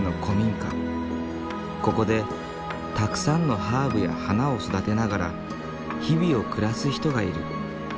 ここでたくさんのハーブや花を育てながら日々を暮らす人がいる。